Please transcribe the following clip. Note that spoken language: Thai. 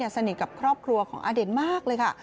สนิทกับครอบครัวของอเด่นมากเลยค่ะ